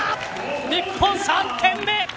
日本、３点目！